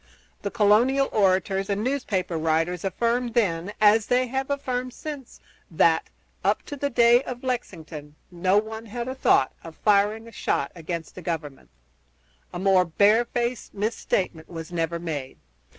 The colonial orators and newspaper writers affirmed then, as they have affirmed since, that, up to the day of Lexington, no one had a thought of firing a shot against the Government. A more barefaced misstatement was never made.